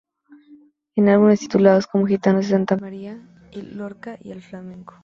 En álbumes titulados como "Gitanos de Santa María" y "Lorca y el flamenco.